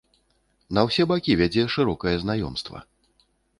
На ўсе бакі вядзе шырокае знаёмства.